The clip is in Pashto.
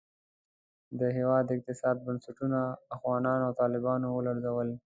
د هېواد اقتصادي بنسټونه اخوانیانو او طالبانو ولړزول.